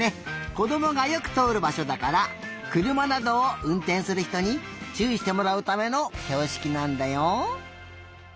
こどもがよくとおるばしょだからくるまなどをうんてんするひとにちゅういしてもらうためのひょうしきなんだよ。